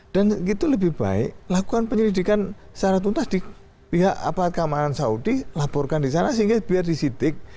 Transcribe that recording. dan itu lebih baik lakukan penyelidikan secara tuntas di pihak aparat keamanan saudi laporkan di sana sehingga biar disitik